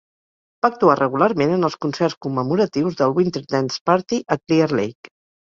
Va actuar regularment en els concerts commemoratius del Winter Dance Party a Clear Lake.